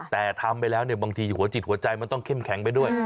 แต่ทำไปแล้วเนี่ยบางทีหัวจิตหัวใจมันต้องเข้มแข็งไปด้วย